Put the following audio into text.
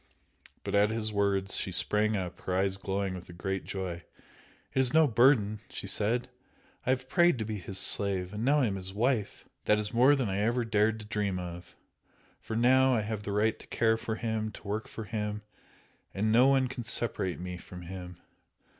But at his words she sprang up, her eyes glowing with a great joy. "It is no burden!" she said "I have prayed to be his slave and now I am his wife! That is more than I ever dared to dream of! for now I have the right to care for him, to work for him, and no one can separate me from him!